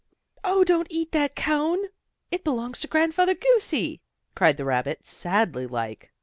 "Oh, don't eat that cone. It belongs to Grandfather Goosey," cried the rabbit, sadly like.